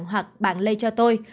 hoặc bạn lây cho tôi